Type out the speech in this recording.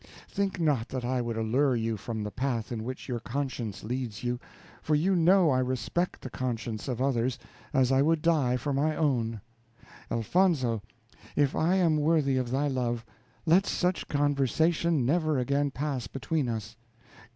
Think not that I would allure you from the path in which your conscience leads you; for you know I respect the conscience of others, as I would die for my own. Elfonzo, if I am worthy of thy love, let such conversation never again pass between us.